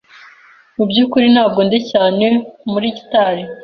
Mu byukuri ntabwo ndi cyane muri gitari.